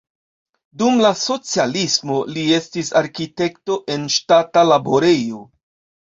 Dum la socialismo li estis arkitekto en ŝtata laborejo.